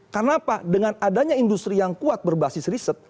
karena apa dengan adanya industri yang kuat berbasis riset